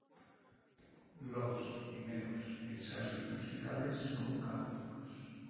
Los primeros ensayos musicales son caóticos.